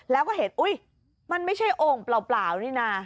แล้วก็เห็นอุ๊ยมันไม่ใช่โอ่งเปล่านี่นะ